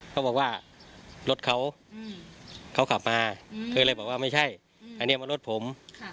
เขาบอกว่ารถเขาเขาขับมาเธอเลยบอกว่าไม่ใช่อันนี้มันรถผม